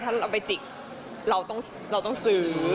ถ้าเราไปจิกเราต้องซื้อ